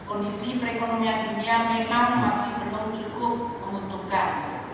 kondisi perekonomian dunia memang masih belum cukup menguntungkan